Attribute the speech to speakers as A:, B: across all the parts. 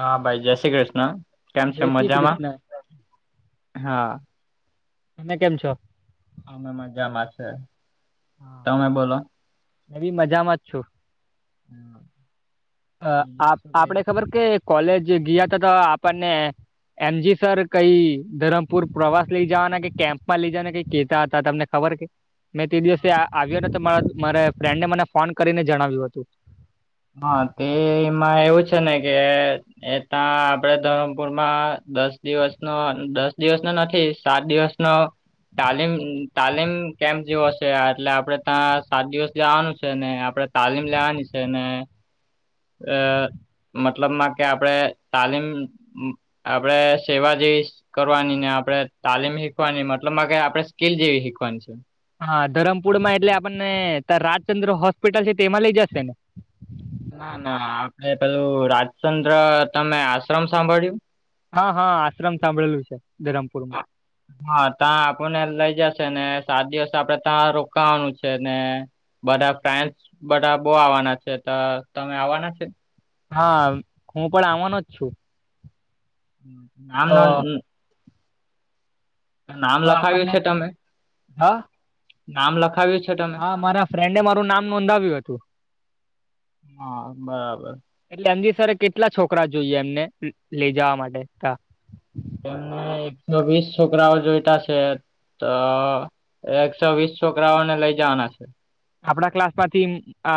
A: હા ભાઈ જય શ્રી કૃષ્ણ કેમ છે
B: જય શ્રી
A: મજામાં
B: કૃષ્ણ.
A: હા
B: તમે કેમ છો
A: અમે મજામાં છે તમે બોલો
B: નવી મજામાં જ છું
A: હમ
B: અ આપ આપડે ખબર કે કોલેજ ગયા ત તો આપણને એમજી સર કઈ ધરમપુર પ્રવાસ લઈ જવાના કે કેમ્પમાં લઈ જવાના કઈ કેતા હતા તમને ખબર કે મેં તે દિવસે આવ્યો તો મારા ફ્રેન્ડને મને ફોન કરીને જણાવ્યું હતું
A: હા તેમાં એવું છે ને કે એ ત આપડે ધરમપુરમાં દસ દિવસ નો દસ દિવસ નો નથી સાત દિવસ ન તાલીમ તાલીમ કેમ્પ જેવો હશે એટલે આપડણે ત્યાં સાત દિવસ જવાનું છે ને આપડે તાલીમ લેવાની છે ને અ મતલબમાં કે આપડે તાલીમ આપડે સેવાજી કરવાની ને આપડણે તાલીમ શીખવાની મતલબ કે આપડણે સ્કીલ જેવી શીખવાની છે
B: હા ધરમપુરમાં એટલે આપણને તા રાજચંદ્ર હોસ્પિટલ છે તેમાં લઈ જશે.
A: ના ના આપડે પેલું રાજચંદ્ર તમે આશ્રમ સાંભળ્યું?
B: હ હ આશ્રમ સાંભળેલું છે ધરમપુર.
A: હમ હા તા આપણને લઈ જશેને સાત દિવસ આપડે તા રોકાવાનું છે ને. બધા ફાન્સ બધાં બો આવાના છે તો તમે આવાના છે.
B: હા હું પણ આવાનો જ છું. તો
A: આમનો નામ
B: તો
A: લખાવ્યું
B: આપણને
A: છે તમે?
B: હા
A: નામ લખાવ્યું છે. તમે?
B: હા મારા ફ્રેન્ડે મારું નામ નોંધાવ્યું હતું.
A: હા બરાબર.
B: એટલે એમજી સર કેટલા છોકરા જોઈએ એમને લેઈ જવા માટે તા?
A: એમને એકસો વીસ છોકરાઓ જોઈતા છે. તો એકસો વીસ છોકરાઓને લઈ જવાના છે.
B: આપણા ક્લાસમાંથી અ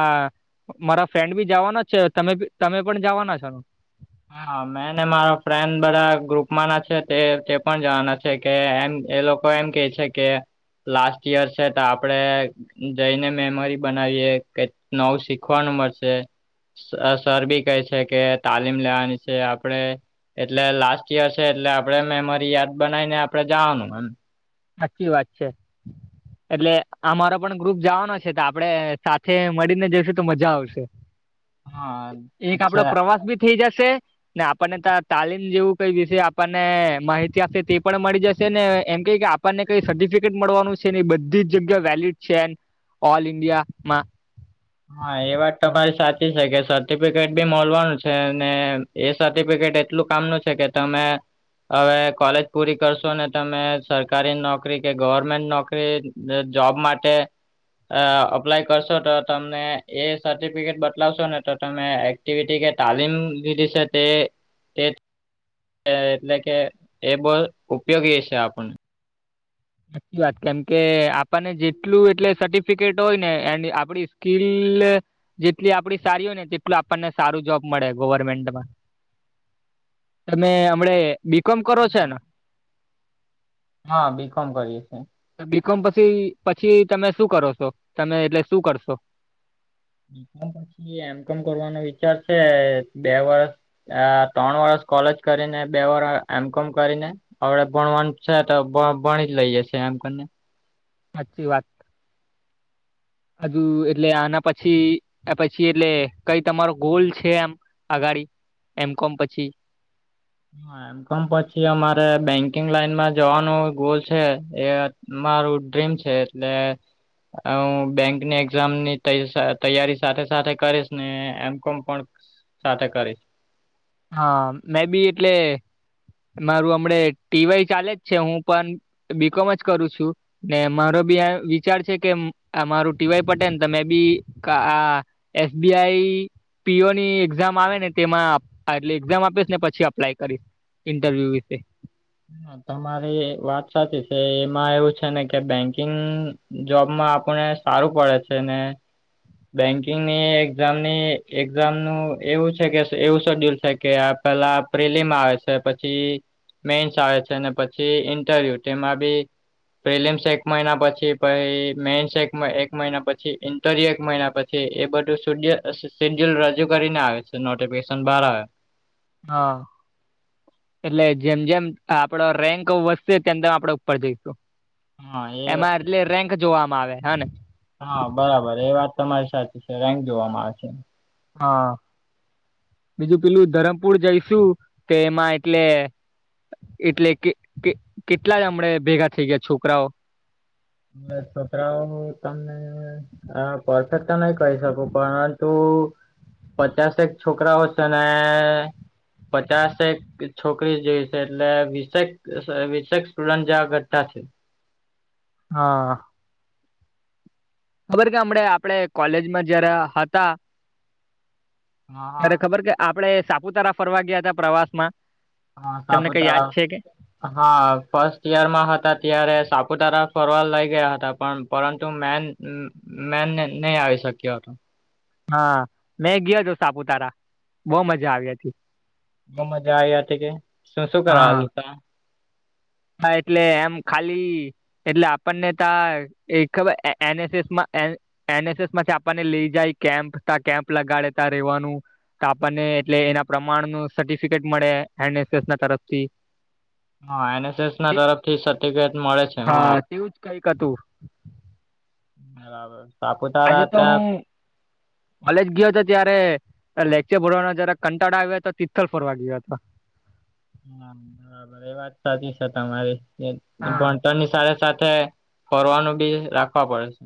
B: મારા ફ્રેન્ડ બી જાવાનો છે તમે બી તમે પણ જાવાના છો?
A: હા મેં ને મારો ફ્રેન્ડ બધાં ગ્રુપમાંના છે તે તે પણ જવાના છે એ કે એમ એ લોકો એમ કેય છે કે લાસ્ટ યર છે તો આપડે જઈને મેમરી બનાવીએ કઈ નવું શીખવાનું મળશે. સ અ સર બી કહે છે કે તાલીમ લેવાની છે આપડે. એટલે લાસ્ટ યર છે એટલે આપણે મેમરી યાદ બનાવીને આપણે જાવાનું એમ.
B: સાચી વાત છે. એટલે અમારો પણ ગ્રુપ જાવાનો છે તો આપણે સાથે મળીને જાશું તો મજા આવશે.
A: [inaudible]
B: એક
A: છે
B: આપડો પ્રવાસ બી થેઈ જશે. ને આપણને તા તાલીમ જેવું કંઈ વિશે આપણને માહિતી આપશે તે પણ મળી જશે ને એમ કેય કે આ આપણને કઈ સર્ટિફિકેટ મળવાનું છે ની બધી જ જગ્યાએ વેલિડ છે એ ઓલ ઈન્ડિયામાં.
A: હા એ વાત તમારી સાચી છે કે સર્ટિફિકેટ બી મલવાનું છે ને એ સર્ટિફિકેટ એટલું કામનું છે કે તમે હવે કોલેજ પૂરી કરશો ને તમે સરકારી નોકરી કે ગવર્મેન્ટ નોકરી જોબ માટે અ અપ્લાય કરશો તો તમને એ સર્ટિફિકેટ બતાલાવશો ને તો તમે એક્ટિવિટી કે તાલીમ લીધી છે તે તે એટલે કે એ બો ઉપયોગી છે આપણને.
B: સાચી વાત કેમ કે આપણને જેટલું એટલે સર્ટિફિકેટ હોય ને એન્ડ આપડી સ્કીલ જેટલી આપણી સારી હોયને તેટલું આપણને સારું જોબ મળે ગવર્મેન્ટમાં. તમે હમણે બીકોમ કરો છોને?
A: હા બી કોમ કરીએ છીએ.
B: બીકોમ પછી પછી તમે શું કરો શો તમે એટલે શું કરશો?
A: પછી એમ કોમ કરવાનો વિચાર છે બે વર્ષ. અ ત્રણ વરષ કોલેજ કરીને બે વરહ એમ કોમ કરીને અવડે ભણવાનું છે તો ભ ભણી જ લઈ જશે એમ કરને.
B: સાચી વાત.
A: [inaudible]
B: હજુ એટલે આના પછી પછી એટલે કંઈ તમારો ગોલ છે એમ. અગાડી એમ કોમ પછી?
A: હા એમ પણ પછી અમારે બેંકિંગ લાઈનમાં જવાનું ગોલ છે એ મારું ડ્રીમ છે. લે. અવ હું બેંકની એક્ઝામની તૈ તૈયારી સાથે સાથે કરીશ ને એમ કોમ પણ સાથે કરીશ.
B: હા મે બી એટલે મારું હમડ ટીવાય ચાલે જ છે હું પણ બીકોમ જ કરું છુ. ને મારો બી વિચાર છે કે મારું ટીવાય પટે ને તમે બી આ એસબીઆઈ પીઓની એક્ઝામ આવે ને તેમા એટલે એક્ઝામ આપીશ ને પછી અપ્લાય કરીશ ઇન્ટરવ્યુ વિશે
A: હ તમારી વાત સાચી છે એમાં એવું છેને, કે બેંકિંગ જોબમાં આપને સારું પડે છેને. બેન્કિંગ ની એક્ઝામની એક્ઝામ નું એવું છે કે એવું શોડ્યુલ છે, કે આપ પેલા અપ્રિલીમાં આવે છે, પછી મેન આવે છે, અનેને પછી ઇન્ટરવ્યુ તેમાં બી પ્રિલિમ્સ એક મહિના પછી પછ મેન્સ એક મહિના પછી દરી એક મહિના પછી એ બધું્ય શેડ્યુલ રજૂ કરીને આવે છે, નોટિફિકેશન બહાર આવે
B: હા એટલે જેમ જેમ આપડો રેન્ક વધશે તેમ તેમ આપડે ઉપર જઈશુ
A: હા એ
B: એટલે રેન્ક જોવામાં આવે હા, ને
A: હા બરાબર એ વાત તમારી સાચી છે રેન્ક જોવામાં આવેશે
B: હા બીજું પેલું ધરમપુર જઈશુ, તે એમાં એટલે એટલે કે કેટલા હમણેે ભેગા થઇ ગયા છોકરાઓ.
A: હ છોકરાઓ તમને હ પરફેક્ટ તો નહી કહી સબુ પરંતુ પચાસ એક છોકરાઓશે ને પચાસક છોકરી જોઈ છે, એટલે વીસેક વીસેક સ્ટુડન્ટ જેવા ઘટા છે.
B: હા ખબર કે હમણા આપડ કોલેજમાં જયારે હતા.
A: હા
B: અરે ખબર કે આપડે સાપુતારા ફરવા ગયા હતા પ્રવાસ મા
A: હા સાપતાર હા ફર્સ્ટ ઈયરમાં હતા, ત્યારે સાપુતારા ફરવાડ લઇ ગયા હતા પણ પરંતુ મેન મે ન આવીઈ શક્યા હતો.
B: હા મેં ગયો, હતો સાપુતારા બહ મજા આવી હતી.
A: બ મજા આ કે તું શું કરલ
B: હા
A: ત
B: હા એટલે એમ ખાલી એટલે આપણને ત એક ખબર એનએસએસમા એનએસએસ માંથી આપણને લઈ જાય કેમ્પ ત કેમ્પ લગાડે ત ર રહેવાનુ તો આપણને એટલે એના પ્રમાણ ન સર્ટિફિકેટ મળે એનએસએસ ના તરફથી
A: હા એનએસએસ ના
B: તે
A: તરફથી સર્ટિફિકેટ મળે છે હા
B: તેવું જ કઈક હતું
A: બરાબર
B: આજે
A: સાપુતારા
B: તો
A: ત્યાં
B: હુ કોલેજ ગયો, હતો ત્યારે લેક્ચર ભરવાનો જરા કંટાળા આવ્યા હતા તો તિથલ ફરવા ગયો હતો.
A: હા બરાબર એ વાત સાચી છે, તમારી
B: હા
A: ભણતરની સાથે સાથે ફરવાનું બી રાખવા પડે છે.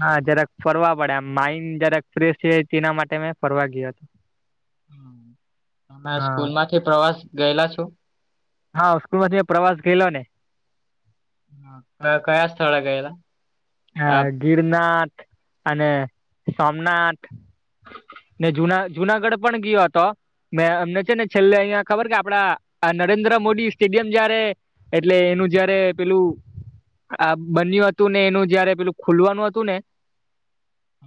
B: હા જરાક ફરવા પડેમ માઈન્ડ જરાક ફ્રેશ થ તેના માટે મેં ફરવા ગયો હતો.
A: અમે
B: હા
A: સ્કૂલ માંથી પ્રવાસ ગયેલા છુ.
B: હા સ્કૂલ માંથી મેં પ્રવાસ ગયેલો ને
A: હ કયા સ્થળે ગયેલા
B: હ
A: આપ
B: ગિરનાથ અને સોમનાથ ને જુના જુનાગઢ પણ ગયો હતો. મે અમને છે ને છેલ્લે અહિયાં ખબર કે આપડા નરેન્દ્ર મોદી સ્ટેડિયમ જયારે એટલે એનું જયારે પેલું આ બન્યુ હતુ, ને એનુ જયારે પેલું ખુલવાનું હતું ને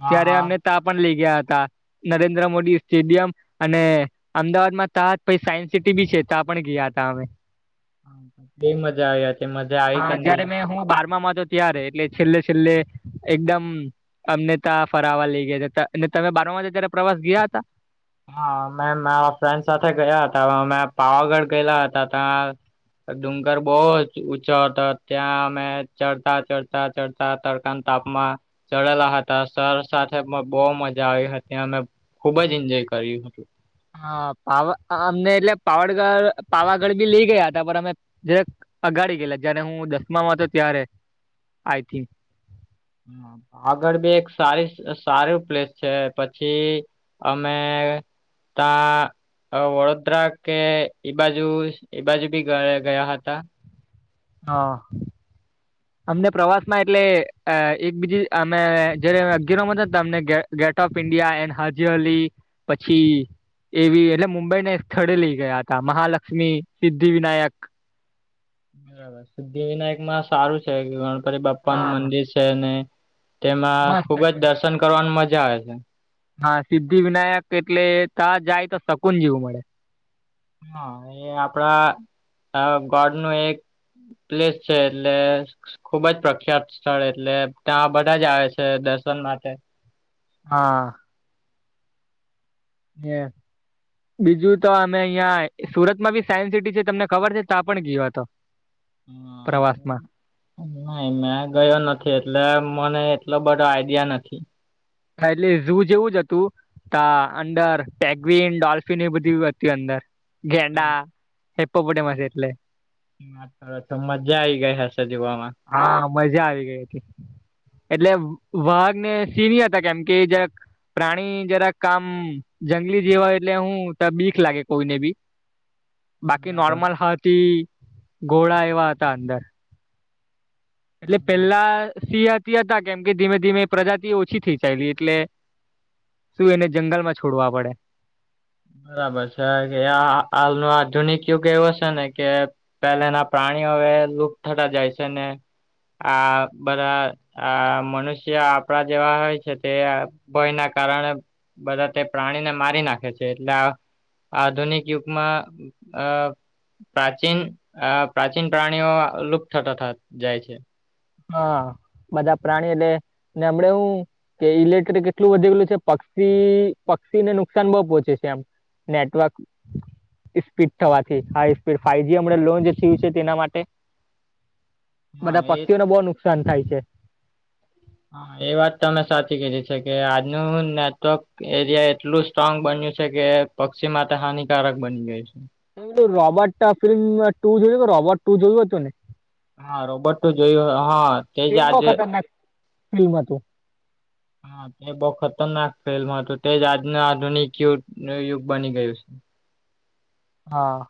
A: હા
B: ત્યારે
A: હા
B: અમને તા પણ લઈ ગયા હતા. નરેન્દ્ર મોદી સ્ટેડિયમ અને અમદાવાદમાં ત પ સાયન્સ સિટી બી છે ત્યાં પણ ગયા હતા અમે
A: એ મજા આવી હતી મજા આવી કે
B: હા
A: નહી?
B: જયારે મેં હું બારમામાં હતો ત્યારે એટલે છેલ્લે છેલ્લે. એકદમ અમને ત ફરાવા લઇ ગયા તમે બારમાં ત્યારે પ્રવાસ ગયા હતા.
A: હા મે મારા ફ્રેન્ડ સાથે ગયા હતા મેં પાવાગઢ ગયેલા હતા ત્યા ડુંગર બહુ જ ઊંછો હતો ત્યાં અમે ચડતા ચડતા ચડતા. તડકા તાપમાં ચડેલા હતા સર સાથે પણ બહુ મજા આવી હતી અમે ખુબ જ ઈન્જોય કર્યું હતું.
B: હા પાવા અમને એટલે પાવડગઢ પાવાગઢ બી લઈ ગયા હતા પણ અમે જરાક અગાડી ગેલા જયારે હું દસમામાં હતો ત્યારે આઈથીંક.
A: હા. આગળ બે એક સારીસ સારી પ્લેસ છે પછી. અમે તા. વડોદરા કે ઈ બાજુ એ બાજુ બી ગયા હતા.
B: હા.
A: [inaudible]
B: અમને પ્રવાસમાં એટલે એક બીજી અમે જેરે અગિયારમાં હતાત અમને ઘે. ગેટ ઓફ ઇન્ડિયા એન હાજીઅલી પછી એવી એટલે મુંબઈને એક સ્થળે લઈ ગયા હતા. મહાલક્ષ્મી, સિદ્ધિ વિનાયક
A: બરાબર સિદ્ધિ વિનાયકમાં સારું છે ગણપતી બાપ્પાનુ
B: હા
A: મંદિર છેને.. તેમાં ખુબ
B: મસ્ત
A: જ
B: છે.
A: દર્શન કરવાનું મજા આવે છે.
B: હા. સિદ્ધિ વિનાયક એટલે તાં જાય તો શકુન જેવું મળે.
A: હા એ આપડા અ ગોડનું એક. પ્લેસ છે એટલે. ખુબ જ પ્રખ્યાત સ્થળ એટલે તાં બધા જ આવે છે દર્શન માટે.
B: હા. એમ. બીજું તો અમે અહીયાં સુરતમાં બી સાયન્સસિટી છે તમને ખબર છે તાં પણ ગ્યો હતો.
A: હા.
B: પ્રવાસમાં
A: નાઈ. મેં ગયો નથી એટલે મને એટલો બધો આઈડિયા નથી.
B: હા એટલે ઝુ જેવું જ હતું. તાં અંદર પેંગ્વીન, ડોલ્ફિનએ બધી હતી બી અંદર ગેંડા. હિપ્પોપોટેમસ એટલે
A: હા તો તો મજા આઈ ગઈ હશે જોવામાં.
B: હા. મજા આવી ગઈ હતી એટલે વાઘને સિહ હત. કેમ કે જરાક પ્રાણી જરાક આમ જંગલી જેવા હોય એટલે હું તાં બીક લાગે કોઈને બી.
A: [inaudible]
B: બાકી
A: બરાબર
B: નોર્મલ હાતી ઘોળા એવા હતા અંદર. એટલે
A: બરાબર.
B: પેલ્લા સિહ હાતી હતા કેમ કે ધીમે ધીમે એ પ્રજાતિ ઓછી થઈ ચાયલી એટલે.. શું એને જંગલમાં છોડવા પડે.
A: ના બરચા ગયા આ આલનો આધુનિક યુગ એવો સેને કે... પેહેલાના પ્રાણીઓ હવે લુપ થતા જાય છેને આ બધા. આ મનુષ્ય આપણા જેવા હોય છે તે ભયના કારણે બધા તે પ્રાણીને મારી નાખે છે. એટલા આ આધુનિક યુગમાં અ. પ્રાચીન પ્રાચીન પ્રાણીઓ લુપ થતાંથા જાય છે.
B: હા. બધા પ્રાણી એટલે હમણે હું. કે ઇલેક્ટ્રિક એટલું વધી ગેલું છે પક્ષી પક્ષીને નુકસાન બો પોહોંચે છે એમ. નેટવર્ક [unintelligible] થવાથી હાઈસ્પીડ ફાઈજી અમણાં લોન્જ થીયું છે, તેના માટે
A: હા
B: બધા
A: એ
B: પક્ષીઓને બો નુકસાન થાય છે.
A: એ વાત અમે સાચી કિધી છે, કે આજનું નેટવર્ક એરિયા એટલું સ્ટ્રોંગ બન્યું છે, કે પક્ષી માટે હાનિકારક બની ગયુ છે.
B: રાબોટ ફિલ્મ ટૂ જોયુ રોબોટ ટુ જોયુ હતુને
A: હા રોબોટ ટુ જોયું હ તે જ
B: બહુ
A: આજે
B: ખતરનાક ફિલ્મ હતું.
A: હ તે બો ખતરનાક ફિલ્મ હતું તે જ આજનું આધુનિક યુ યુગ બની ગયું છે.
B: હા.